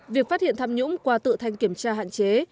việc phát hiện tham nhũng qua tự thanh kiểm tra hạn chế